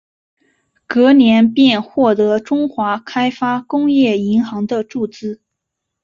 隔年便获得中华开发工业银行的注资。